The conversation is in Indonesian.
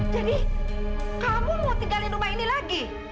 jadi kamu mau tinggalin rumah ini lagi